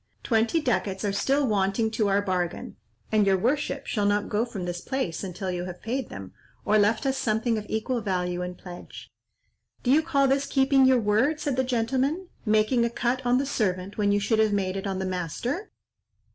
Twenty ducats are still wanting to our bargain, and your worship shall not go from this place until you have paid them, or left us something of equal value in pledge." "Do you call this keeping your word," said the gentleman, "making a cut on the servant when you should have made it on the master?"